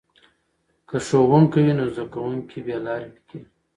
که ښوونکی وي نو زده کوونکي بې لارې نه کیږي.